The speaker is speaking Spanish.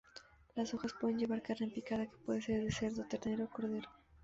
Las hojas pueden llevar carne picada que puede ser de cerdo, ternera, o cordero.